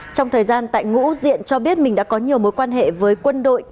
trong thời gian tại ngũ diện cho biết mình đã có nhiều mối quan hệ với quân đội